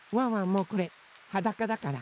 もうこれはだかだから。